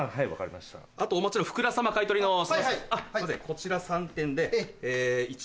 こちら３点で。